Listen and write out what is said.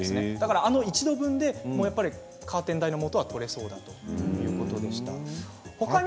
足元の１度分でカーテン代の元は取れそうだということです。